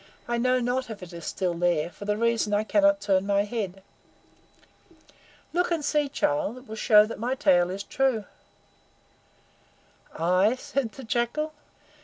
I know not if it is there still, for the reason I cannot turn my head. Look and see, child. It will show that my tale is true." "I?" said the Jackal.